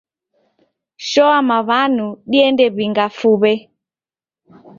Shoa maw'anu diende w'inga fuw'e